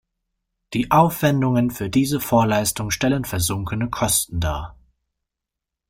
Die Aufwendungen für diese Vorleistungen stellen versunkene Kosten dar.